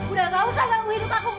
udah gak usah kamu hidup aku